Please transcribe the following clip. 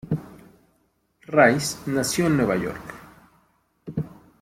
Rice nació en Nueva York.